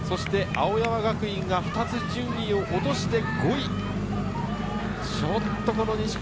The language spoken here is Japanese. そして青山学院が２つ順位を落として５位。